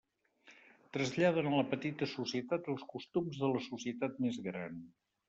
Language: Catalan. Traslladen a la petita societat els costums de la societat més gran.